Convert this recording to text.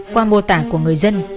qua mô tả của người dân